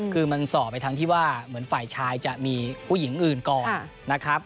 คือมันส่อไปทั้งที่ว่าเหมือนฝ่ายชายจะมีผู้หญิงอื่นก่อนนะครับ